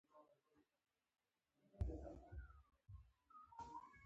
د زړه روغتیا د ښه ژوند راز دی.